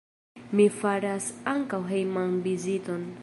Mi faras ankaŭ hejman viziton.